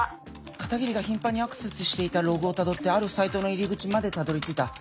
片桐が頻繁にアクセスしていたログをたどってあるサイトの入り口までたどり着いた。